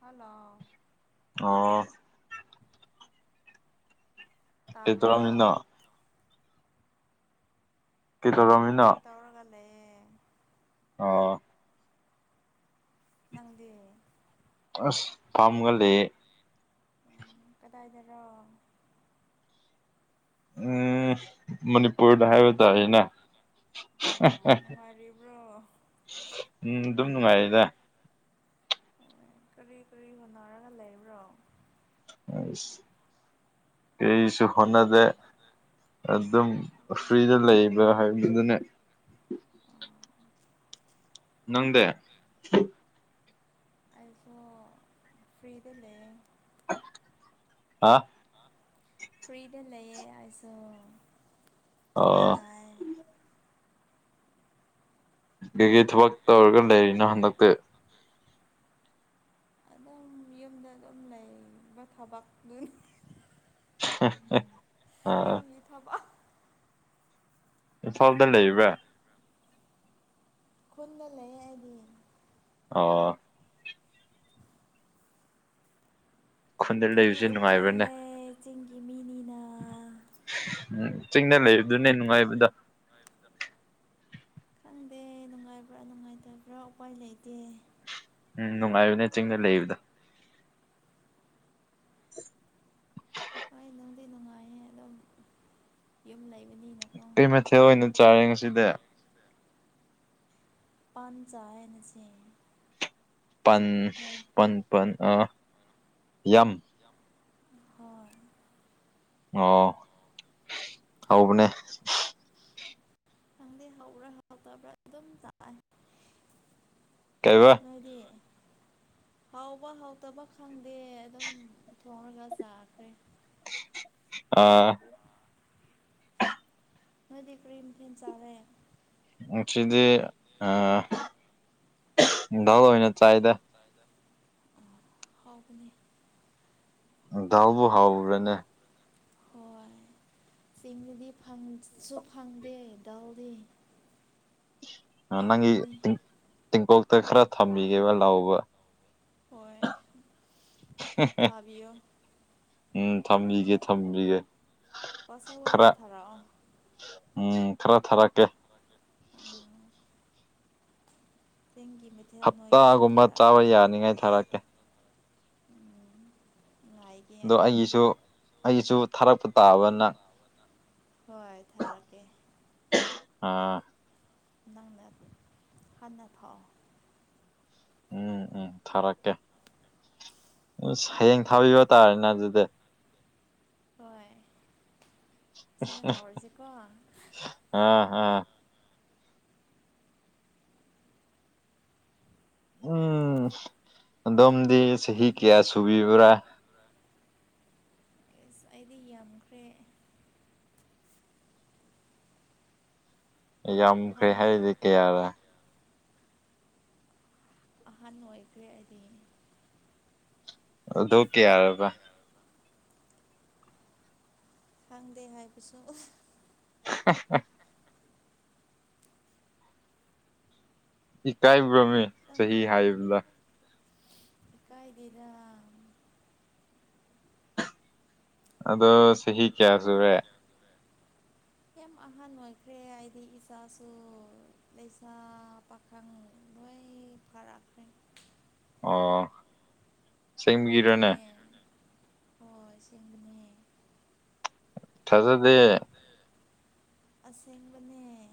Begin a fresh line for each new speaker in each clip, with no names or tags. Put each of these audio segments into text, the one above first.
hello
ꯑꯣ ꯍ
ꯇꯥꯕ꯭ꯔꯣ
ꯇꯔꯝꯃꯤꯗ
ꯇꯝꯒꯦ
ꯀꯩꯗꯧꯔꯝꯃꯤꯅꯣ
ꯇꯧꯔꯒꯂ
ꯑꯣ
ꯅꯪꯗꯤ
ꯑꯁ ꯄꯥꯝꯒꯦ
ꯎꯝ ꯀꯗꯥꯏꯗꯔꯣ
ꯎꯝ ꯃꯅꯤꯄꯨꯔꯗ ꯍꯥꯏꯕ ꯇꯥꯔ ꯑꯩꯅ
ꯑꯣ ꯅꯨꯡꯉꯥꯏꯔꯤꯕ꯭ꯔꯣ
ꯎꯝ ꯑꯗꯨꯝ ꯅꯨꯡꯉꯥꯏꯔꯗ
ꯑꯣ ꯀꯔꯤ ꯀꯔꯤ ꯍꯣꯅꯔꯒ ꯂꯩꯕ꯭ꯔꯣ
ꯀꯁꯨ ꯍꯅꯗꯦ ꯑꯗꯨꯝ ꯐ꯭ꯔꯤꯗ ꯂꯩꯕ꯭ꯔꯥ ꯍꯥꯏꯕꯗꯨꯗꯨꯅꯦ ꯅꯪꯗꯦ
ꯑꯁꯨ ꯐ꯭ꯔꯔꯤꯗ ꯂꯩ
ꯑ
ꯐ꯭ꯔꯤꯗ ꯂꯩꯑ ꯑꯩꯁꯨ ꯆꯞ
ꯑꯣ
ꯃꯥꯟꯅꯩ
ꯀꯩꯀꯩ ꯊꯕꯛ ꯇꯧꯔꯒ ꯂꯩꯔꯤꯅꯣ ꯍꯟꯗꯛꯇꯤ
ꯑꯗꯨꯝ ꯌꯨꯝꯗ ꯑꯗꯨꯝ ꯂꯩꯕ ꯊꯕꯛ ꯑꯗꯨ
[unintelligible]
ꯌꯨꯝꯒꯤ ꯐꯕ
ꯏꯝꯐꯥꯜꯗ ꯂꯩꯕ꯭ꯔꯥ
ꯈꯨꯟꯗ ꯂꯩ ꯑꯩꯗꯤ
ꯑꯣ ꯈꯨꯟꯗ ꯂꯩꯕꯕꯁꯤꯦ ꯅꯨꯡꯉꯥꯏꯕ꯭ꯔꯅꯦ
ꯆꯤꯡ ꯃꯤꯅꯤꯅ
ꯎꯝ ꯆꯤꯡꯅ ꯂꯩꯕꯗꯨꯅꯦ ꯅꯨꯡꯉꯥꯏꯕꯗ
ꯈꯪꯗꯦ ꯅꯨꯡꯉꯥꯏꯕ꯭ꯔꯥ ꯅꯨꯡꯉꯥꯏꯇꯕ꯭ꯔꯥ ꯎꯄꯥꯏ ꯂꯩꯇꯦ
ꯅꯨꯡꯉꯥꯏꯌꯨꯅꯦ ꯆꯤꯡꯗ ꯂꯩꯕꯗ
ꯍꯣꯏ ꯅꯨꯡꯗꯤ ꯅꯨꯡꯉꯥꯏꯌꯦ ꯑꯗꯨꯝ ꯌꯨꯝ ꯂꯩꯕ
ꯀꯩ ꯃꯊꯦꯜ ꯑꯣꯏꯅ ꯆꯥꯔꯦ ꯉꯁꯤꯗꯤ
ꯄꯥꯟꯖꯥꯏꯅꯁ
ꯄꯟ ꯄꯟꯄꯟ ꯑ ꯌꯥꯝꯝ
ꯍꯣꯏ
ꯑꯣ ꯍꯥꯎꯕꯅꯦ
ꯈꯪꯗꯦ ꯍꯧꯕ꯭ꯔꯥ ꯍꯧꯗꯕ꯭ꯔꯥ ꯑꯗꯨꯝ ꯆꯥꯛ
ꯀꯩꯕ
ꯃꯗꯤ ꯍꯥꯎꯕ ꯍꯥꯎꯇꯕ ꯈꯪꯗꯦ ꯑꯗꯨꯝ ꯊꯣꯡꯉꯒ ꯆꯥꯈ꯭ꯔꯦ
ꯑꯥ
ꯃꯗꯤ ꯄ꯭ꯔꯔꯤꯝ ꯊ ꯆꯥꯂꯦ
ꯁꯤꯗꯤ ꯗꯥꯜ ꯑꯣꯏꯅ ꯆꯥꯏꯗ
ꯍꯥꯎ ꯀꯅꯤ
ꯗꯥꯎꯕꯨ ꯍꯥꯎꯨꯔꯅꯦ
ꯆꯤꯡꯗꯨꯗꯤꯁꯨ ꯐꯪꯗꯦ ꯗꯥꯎꯗꯤ
ꯅꯪꯒꯤ ꯇꯤꯡꯀꯣꯛꯇ ꯈꯔ ꯊꯝꯕꯤꯒꯦꯕ ꯂꯥꯎꯕ
ꯍꯣꯏ ꯐꯥꯕꯤꯌꯣ
ꯎꯝ ꯊꯝꯕꯤꯒꯦ ꯊꯝꯕꯤꯒꯦ
ꯄꯣꯠꯁꯧ
ꯈꯔ
ꯑꯣꯏꯅ ꯊꯥꯔꯛꯑꯣ
ꯎꯝ ꯈꯔ ꯊꯥꯔꯛꯀꯦ
ꯎꯝ ꯆꯤꯡꯒꯤ ꯃꯩꯊꯦꯜ ꯅꯣꯏꯒꯤꯁꯨ
ꯍꯞꯇꯥꯒꯨꯝꯕ
ꯊꯥꯔꯛꯀꯦ
ꯆꯥꯕ
ꯍꯥꯏ
ꯌꯥꯅꯤꯉꯥꯏ ꯊꯥꯔꯛꯀꯦ
ꯎꯝ ꯉꯥꯏꯒꯦ
ꯑꯗꯣ
ꯍꯥꯏ
ꯑꯩꯒꯤꯁꯨ ꯑꯩꯒꯤꯁꯨ ꯊꯥꯔꯛꯄ ꯇꯥꯕ ꯅꯪ
ꯍꯣꯏ ꯊꯔꯒꯦ
ꯑꯥ
ꯅꯪꯅ ꯍꯥꯟꯅ ꯐꯥꯎ
ꯎꯝ ꯎꯝ ꯊꯥꯔꯛꯀꯦ ꯎ ꯍꯌꯦꯡ ꯊꯥꯕꯤꯕ ꯇꯥꯔꯦꯅꯦ ꯑꯗꯨꯗꯤ
ꯍꯣꯏ ꯁꯤꯅ ꯍꯧꯔꯁꯤꯀꯣ
ꯑꯥ ꯑꯥ ꯎꯝ ꯑꯗꯣꯝꯗꯤ ꯆꯍꯤ
ꯀꯩꯅꯣ
ꯀꯌꯥ ꯁꯨꯕꯤꯕ꯭ꯔꯥ
ꯑꯦꯁ ꯑꯩꯗꯤ ꯌꯥꯝꯈ꯭ꯔꯦ
ꯌꯥꯝꯈ꯭ꯔꯦ
ꯑꯍꯟ ꯑꯣꯏ
ꯍꯥꯏꯔꯗꯤ ꯀꯌꯥꯔꯦ
ꯑꯍꯥꯟꯕ ꯅꯨꯡ ꯑꯣꯏꯈ꯭ꯔꯦ ꯑꯩꯗꯤ
ꯑꯗꯨꯣꯛ ꯀꯦ ꯌꯥꯔꯕ
ꯈꯪꯗꯦ ꯍꯥꯏꯕꯁꯨ
[unintelligible] ꯏꯀꯥꯏꯈꯨꯔꯝꯃꯤ
ꯈꯪꯗꯦ
ꯆꯍꯤ ꯍꯥꯏꯕꯗ
ꯏ ꯀꯥꯏꯗꯔꯥ
ꯑꯗꯣ ꯆꯍꯤ ꯀꯌꯥ ꯁꯨꯔꯦ
ꯌꯥꯝ ꯑꯍꯥꯟ ꯑꯣꯏꯈ꯭ꯔꯦ ꯍꯥꯏꯗꯤ ꯏꯆꯥꯁꯨ ꯂꯩꯁꯥ ꯄꯥꯈꯪ ꯂꯣꯏ ꯐꯥꯔꯛꯈ꯭ꯔꯦ
[unintelligible] ꯑꯣ
ꯅꯪꯗꯤ
ꯁꯦꯝꯦꯡꯒꯤꯔꯅꯦ
ꯍꯣꯏ ꯁꯤꯒꯅꯦ
ꯊꯖꯗꯦ
ꯑꯁꯦꯡ ꯃꯅꯦꯅꯦ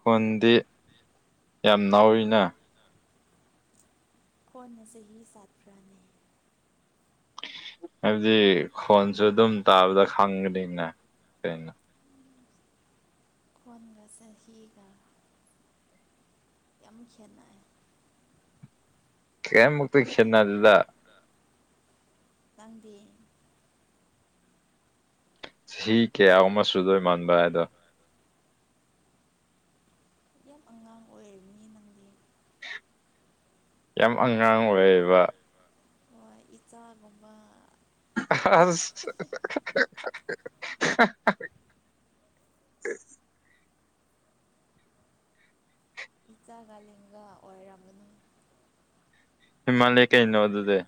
ꯈꯨꯣꯟꯗꯤ ꯌꯥꯝ ꯥꯎꯔꯤꯅ
ꯀꯣꯟꯅ ꯆꯍꯤ ꯁꯥꯠꯈ꯭ꯔꯅꯤ
[unintelligible] ꯍꯥꯏꯕꯗꯤ ꯈꯣꯟꯁꯨ ꯑꯗꯨꯝ ꯇꯥꯕꯗ ꯈꯪꯒꯅꯤꯅ ꯀꯩꯅꯣ
ꯀꯣꯟꯒ ꯆ ꯍꯒ ꯌꯥꯝ ꯈꯦꯠꯅ
ꯀꯦꯃ ꯄꯤꯟꯅ ꯑꯗꯨꯂ
ꯇꯥꯟꯕꯤ
ꯆꯍꯤ ꯀꯌꯥꯨꯝ ꯑꯃꯁ ꯁꯨꯗꯣꯏ ꯃꯥꯟꯕ ꯍꯥꯏꯗꯣ
ꯌꯥꯝ ꯑꯉꯥꯡ ꯑꯣꯏꯔꯤꯕꯅꯤ ꯅꯪꯗꯤ
ꯌꯥꯝ ꯑꯉꯥꯡ ꯑꯣꯏꯌꯦꯕ
ꯑꯣ ꯏꯆꯥꯒꯨꯝꯕ
ꯑ
ꯑꯣꯏ
ꯎ
ꯏꯆꯥ ꯒꯥꯂꯤꯒ ꯑꯣꯏꯔꯝꯃꯅꯤ
ꯍꯤꯃꯂꯌꯥ ꯀꯩꯩꯅꯣꯗꯗꯦ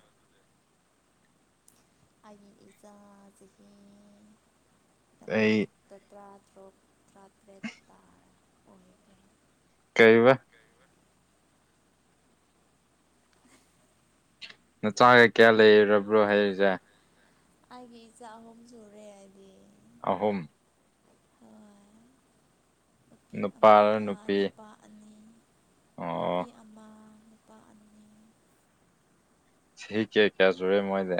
ꯑꯩꯒꯤ ꯏꯆꯥ ꯆꯍꯤ ꯇꯔꯥꯒ
ꯑꯩ
ꯇꯔꯥ ꯭ꯔ꯭ꯔꯥ ꯇ ꯑꯣꯏꯦ
ꯀꯩꯕ ꯅꯆꯥꯒ ꯀꯌꯥ ꯂꯩꯔꯕ꯭ꯔꯣ ꯍꯥꯏꯔꯤꯁꯦ
ꯍꯥꯏꯦ ꯏ ꯆ ꯍꯝꯁꯨꯨꯔꯔꯦ ꯍꯥꯏꯗꯤ
ꯑꯍꯨꯝ
ꯍꯣꯏ ꯅꯨꯄꯤ ꯑꯃ
ꯅꯨꯄꯥꯔ ꯅꯨꯄꯤ
ꯅꯨꯄꯥ ꯑꯅꯤ ꯅꯨꯄꯤ
ꯑꯣ
ꯑꯃ ꯅꯨꯄꯥ ꯑꯅꯤ
ꯁꯤ ꯀꯦ ꯀꯌꯥꯖꯔꯦ ꯃꯣꯏꯅꯦ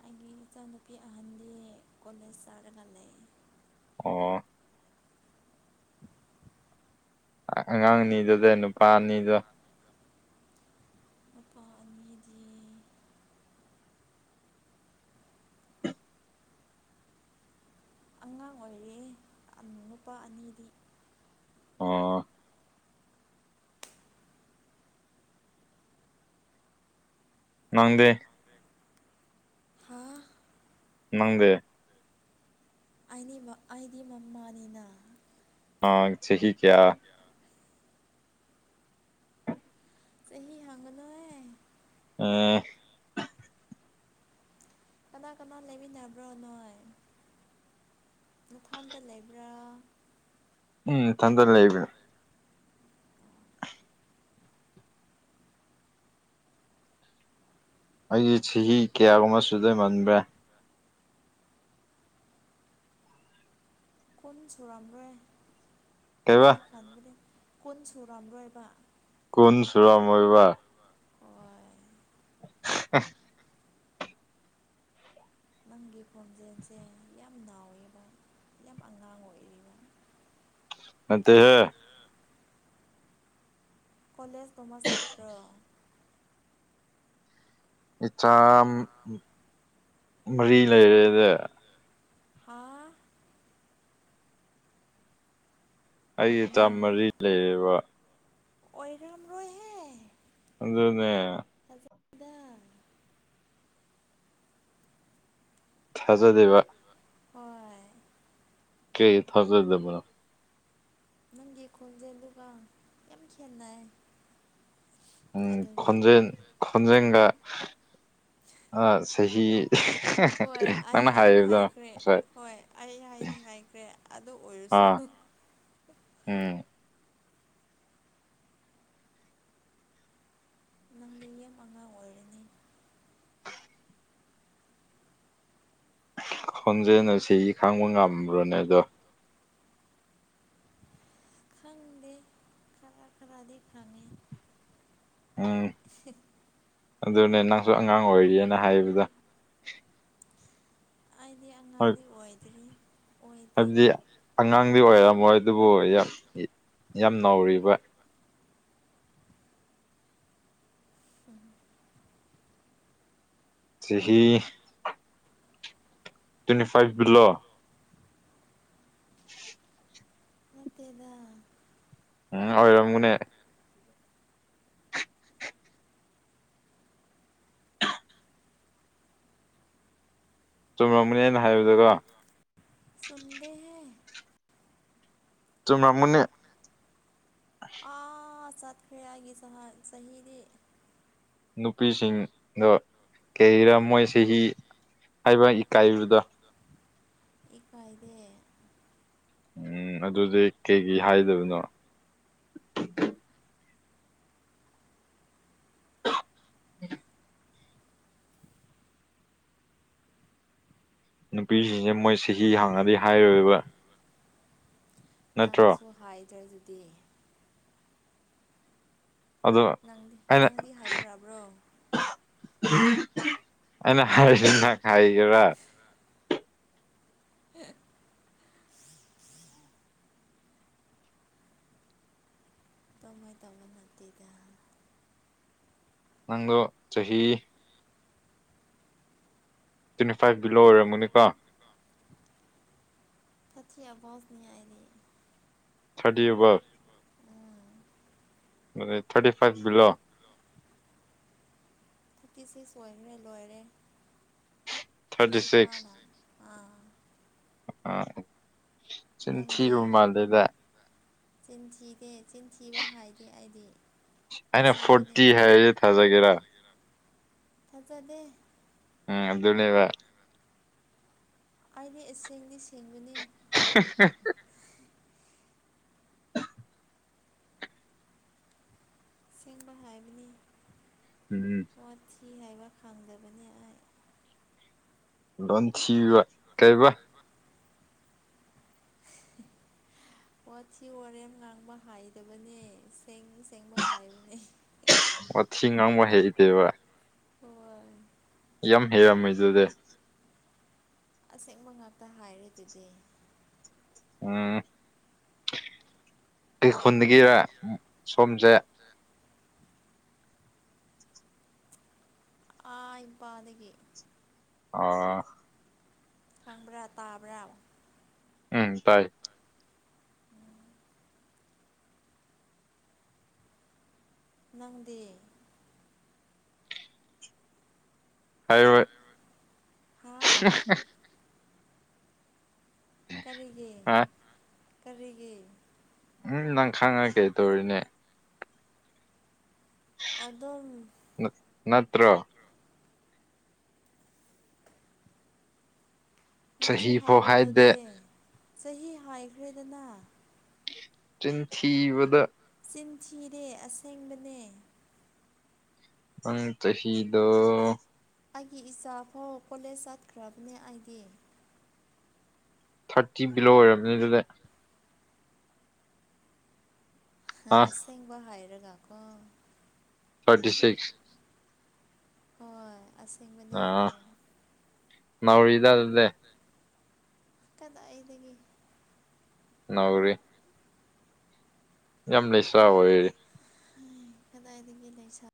ꯑꯩꯒꯤ ꯏꯆꯥꯅꯨꯄꯤ ꯑꯍꯟꯗꯤ ꯀꯣꯂꯦꯖ ꯆꯥꯔꯒ ꯂꯩ
ꯑꯣ ꯑꯉꯥꯡ ꯑꯅꯤꯗꯨꯗ ꯅꯨꯄꯥ ꯑꯅꯤꯗꯣ
ꯅꯨꯄꯥ ꯑꯅꯤꯗꯤ ꯑꯉꯥꯡ ꯑꯣꯏꯔꯦ ꯅꯨꯄꯥ ꯑꯅꯤꯗꯤ
ꯑ ꯅꯪꯗꯦ
ꯍꯥ
ꯅꯪꯗꯦ
ꯑꯩ ꯑꯩꯗꯤ ꯃꯃꯥꯅꯤꯅ
ꯑꯥ ꯆꯍꯤꯍꯤ ꯀꯌꯥ
ꯆꯍꯤꯍꯤ ꯍꯪꯒꯅꯣꯦ
ꯑ
ꯀꯅꯥ ꯀꯅꯥ ꯂꯦꯕꯤ ꯅꯕ꯭ꯔꯣ ꯅꯣꯏ ꯅꯊꯥꯟꯗ ꯂꯩꯕ꯭ꯔꯥ
ꯎꯝ ꯊꯟꯗ ꯂꯩꯕꯤꯅ ꯑꯩꯒꯤ ꯆꯍꯤ ꯀꯌꯥꯒꯨꯝꯕ ꯁꯨꯗꯩꯃꯟꯕ꯭ꯔꯦ
ꯀꯨꯟ ꯁꯨꯔꯝꯂꯣꯏ
ꯀꯩꯕ
ꯑꯩꯅ ꯈꯟꯕꯗꯤ ꯀꯣꯟ ꯁꯨꯔꯥꯝꯂꯣꯏꯕ
ꯀꯣꯟ ꯆꯨꯔꯝ ꯑꯣꯏꯔꯤꯕ
ꯍꯣꯏ
[unintelligible]
ꯅꯪꯒꯤ ꯈꯣꯟꯖꯦꯜꯁꯦ ꯌꯥꯝ ꯅꯥꯥꯎꯋꯦꯕ
ꯑꯠꯇ ꯍꯦ
ꯀꯂꯦꯖ ꯀꯃ ꯁꯇ꯭ꯔ
ꯏꯆꯥ ꯃꯔꯤ ꯂꯩꯔꯦꯗ
ꯍꯥ
ꯑꯩ ꯆꯥꯝ ꯃꯔꯤ ꯂꯩꯕ
ꯑꯣꯏꯔꯝ ꯔꯣꯏꯍꯦ
ꯑꯗꯨꯗꯅꯦ
ꯗ
ꯊꯥꯖꯗꯦꯕ
ꯍꯣꯏꯣꯏ
ꯀꯩ ꯊꯖꯗꯕ
ꯅꯪꯒꯤ ꯈꯣꯟꯖꯦꯜ ꯑꯗꯨꯒꯒ ꯌꯥꯝ ꯈꯦꯠꯅꯩ
ꯎꯝ
ꯑꯗꯨꯒꯤ
ꯈꯣꯟꯖꯦꯟ ꯈꯣꯟꯖꯦꯟꯒ ꯆꯍꯤ
ꯍꯣꯏ ꯑꯩ
ꯅꯪꯅ
ꯍꯥꯏꯗꯤ
ꯍꯥꯏꯕꯗꯣ
ꯍꯥꯏꯈ꯭ꯔꯦ
ꯉꯁꯥꯏ
ꯍꯣꯏ ꯑꯩ ꯍꯥꯏꯗꯤ ꯍꯥꯏꯈ꯭ꯔꯦ ꯑꯗꯨ ꯑꯣꯏꯔꯁꯨ
ꯑꯥ ꯎꯝ
ꯅꯪꯗꯤ ꯌꯦꯦꯝ ꯑꯉꯥꯡ ꯑꯣꯏꯔꯅꯤ
ꯈꯣꯟꯖꯦꯅ ꯁꯤ ꯈꯥꯡꯕ ꯉꯝꯕ꯭ꯔꯣꯅꯦ ꯑꯗꯣ
ꯈꯪꯗꯦ ꯈꯔ ꯈꯔꯗꯤ ꯈꯪꯉꯦ
ꯑ
ꯁꯤꯞ
ꯑꯗꯨꯅꯦ ꯅꯪꯁꯨ ꯑꯉꯥꯡ ꯑꯣꯏꯔꯤꯑꯅ ꯍꯥꯏꯕꯗ
ꯑꯩꯗꯤ
ꯍꯣꯏ
ꯑꯉꯥꯡꯗꯤ ꯑꯣꯏꯗ꯭ꯔꯤ ꯑꯣꯏꯗꯦ
ꯍꯥꯏꯕꯗꯤ ꯑꯉꯥꯡꯗꯤ ꯑꯣꯏꯔꯝꯃꯣꯏ ꯑꯗꯨꯕꯨ ꯌꯥꯝ ꯅꯧꯔꯤꯕ ꯆꯍꯤꯍꯤ ꯇ꯭ꯋꯦꯟꯇꯤ ꯐꯥꯏꯚ ꯕꯤꯂꯣ [unintelligible]
ꯅꯠꯇꯦꯗ
ꯎꯝ ꯑꯣꯏꯣꯏꯔꯝꯒꯨꯅꯦ ꯆꯨꯝꯔꯝꯕꯅꯦꯅ ꯍꯥꯏꯕꯗꯀꯣ
ꯆꯨꯝꯗꯦꯍꯦ
ꯆꯨꯝꯃꯝꯒꯅꯤ
ꯑ ꯆꯠꯈ꯭ꯔꯦ ꯑꯩꯒꯤ ꯁꯍꯥꯟ ꯆꯍꯤꯗꯤ
ꯅꯨꯄꯤꯁꯤꯡꯗꯣ ꯀꯩꯔ ꯃꯣꯏ ꯆꯍꯤ ꯍꯥꯏꯕ ꯏꯀꯥꯏꯕꯗꯣ
ꯏ ꯐꯏꯗ
ꯎꯝ ꯑꯗꯨꯗꯤ ꯀꯩ ꯀꯩ ꯍꯥꯏꯗꯕꯅꯣ ꯎ ꯅꯨꯄꯤꯁꯤꯡꯁꯦ ꯃꯣꯏ ꯆꯍꯤ ꯍꯥꯡꯉꯗꯤ ꯍꯥꯏꯔꯣꯏꯕ ꯅꯠꯇ꯭ꯔꯣ
ꯅꯪꯁꯨ ꯍꯥꯏꯗ꯭ꯔꯦ ꯑꯗꯨꯗꯤ
ꯑꯗꯣ
ꯅꯪꯗꯤ
ꯑꯩꯅ
ꯅꯪꯗꯤ ꯍꯥꯏꯈ꯭ꯔꯕ꯭ꯔꯣ
ꯑꯩꯅ ꯍꯥꯏꯁꯅ ꯈꯥꯏꯒꯦꯔ
ꯍ ꯇꯃꯩ ꯇꯃꯜꯇꯗ
ꯅꯪꯗꯣ ꯆꯍꯤ ꯇ꯭ꯋꯦꯟꯇꯤ ꯐꯥꯏꯚ ꯕꯤꯂꯣ ꯑꯣꯏꯔꯦ ꯃꯨꯅꯤꯀꯥ
ꯀꯊꯤ ꯑ ꯥꯎꯁꯅꯤꯌꯥ ꯑꯔꯤ
ꯇꯗꯤꯕ
ꯎꯝ
ꯃ thirty five below
thirty six ꯑꯣꯏꯈ꯭ꯔꯦ ꯂꯣꯏꯔꯦ
ꯊꯥꯔꯇꯤ
ꯑꯁꯤ
ꯁꯤꯛꯁ
ꯊꯥꯅ ꯑꯥ
ꯑ ꯁꯤꯅ ꯊꯤꯔꯨ ꯃꯥꯜꯂꯦꯗ
ꯆꯁꯤꯗꯦ ꯆꯤꯟ ꯊꯤꯕ ꯍꯥꯏꯗꯤ ꯑꯩꯗꯤ
ꯑꯩꯅ
ꯑꯁꯦꯡꯕꯅꯤ
ꯐꯣꯔꯇꯤ ꯍꯥꯏꯔꯗꯤ [inaudible]
ꯊꯆꯗꯦ
ꯎꯝ ꯑꯗꯨꯗꯨ ꯂꯩꯕ
ꯑꯩꯗꯤ ꯑꯁꯦꯡꯗꯤ ꯁꯦꯡꯕꯅꯤ
[inaudible]
ꯁꯦꯝꯦꯡꯕ ꯍꯥꯏꯕꯅꯤ
ꯎꯝ
ꯀꯤ ꯍꯥꯏꯕ ꯈꯪꯗꯕꯅꯤ ꯑꯩ
ꯂꯝ ꯊꯤꯕ ꯀꯩꯕ
ꯑꯣꯊꯤ ꯋꯥꯔꯦꯝ ꯉꯥꯡꯕ ꯍꯥꯏꯗꯕꯅꯦ ꯁꯦꯡ ꯁꯦꯡꯕ ꯍꯥꯏꯕꯅꯦ
ꯑꯣꯊꯤ ꯉꯥꯡꯕ ꯍꯩꯇꯦꯕ
ꯍꯣꯏ
ꯌꯥꯝ ꯍꯦ ꯌꯥꯝꯩꯗꯨꯗꯦ
ꯑꯁꯦꯡꯕ ꯉꯥꯛꯇ ꯍꯥꯏꯔꯦ ꯑꯗꯨꯗꯤ
ꯎꯝ ꯑꯩ ꯈꯨꯟꯗꯒꯤꯔ ꯁꯣꯝꯁꯦ
ꯇꯥꯏꯄꯥꯗꯒꯤ
ꯑꯥ
ꯈꯪꯕ꯭ꯔꯥ ꯇꯥꯕ꯭ꯔꯥ
ꯎꯝ ꯇꯥꯏ
ꯅꯪꯗꯤ
ꯍꯥꯏꯔꯣꯏ
ꯍꯥ ꯀꯔꯤꯒꯤ
ꯑ
ꯀꯔꯤꯒꯤ
ꯎꯝ ꯅꯪ ꯈꯪꯉꯒ ꯀꯩ ꯇꯧꯔꯤꯅꯦ
ꯑꯗ
ꯀꯨꯇ꯭ꯔ
ꯅꯪꯁꯨ
ꯆꯍꯤꯐꯥꯎ ꯍꯥꯏꯗꯦ
ꯍꯥꯡꯉꯗꯗꯤ ꯆꯍꯤ ꯍꯥꯏꯈ꯭ꯔꯦꯗꯅ
ꯆꯤꯟꯊꯤꯕꯗ
ꯇꯤꯟꯊꯤꯔꯦ ꯑꯁꯦꯡꯕꯅꯦ
ꯑꯪ ꯆꯍꯤ ꯆꯍꯤꯗ
ꯑꯩꯒꯤ ꯏꯆꯥ ꯐꯥꯎ ꯀꯣꯂꯦꯖ ꯆꯠꯈ꯭ꯔꯕꯅꯦ ꯑꯩꯒꯤ
ꯊꯥꯔꯇꯤ ꯕꯤꯂꯣ ꯑꯣꯏꯔꯕꯅꯤ ꯑꯗꯨꯗ ꯑ
ꯑꯁꯦꯡꯕ ꯍꯥꯏꯔꯒ ꯀꯣ
ꯊꯥꯔꯇꯤ ꯁꯤꯛꯁ
ꯍꯣꯏ ꯑꯁꯦ
ꯑꯥ ꯅꯧꯋꯗꯗꯦ
ꯀꯗꯥꯏꯗꯒꯤ
ꯅꯎꯔꯤꯔꯤ ꯌꯥꯝꯅꯤꯁꯥ ꯑꯣꯏꯔꯤ
ꯍꯥꯏ ꯀꯗꯥꯏꯗꯒꯤ ꯂꯩꯁ